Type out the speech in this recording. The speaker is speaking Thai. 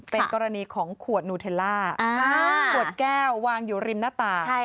เป็นกรณีของขวดนูเทลล่าขวดแก้ววางอยู่ริมหน้าต่าง